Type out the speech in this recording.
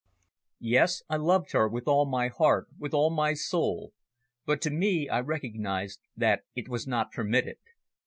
Yes, I loved her with all my heart, with all my soul, but to me I recognised that it was not permitted.